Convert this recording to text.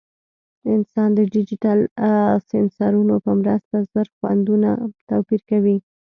انسان د ډیجیټل سینسرونو په مرسته زر خوندونه توپیر کوي.